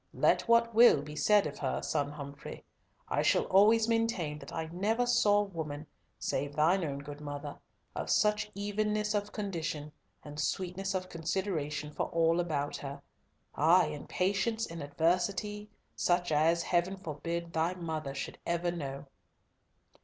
Let what will be said of her, son Humfrey, I shall always maintain that I never saw woman, save thine own good mother, of such evenness of condition, and sweetness of consideration for all about her, ay, and patience in adversity, such as, Heaven forbid, thy mother should ever know."